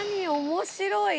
面白い。